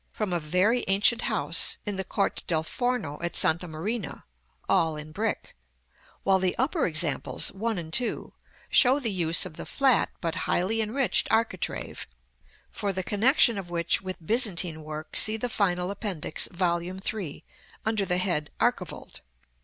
from a very ancient house in the Corte del Forno at Santa Marina (all in brick); while the upper examples, 1 and 2, show the use of the flat but highly enriched architrave, for the connection of which with Byzantine work see the final Appendix, Vol. III., under the head "Archivolt."